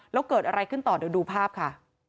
แล้วเกิดอะไรขึ้นต่อเดี๋ยวดูภาพค่ะ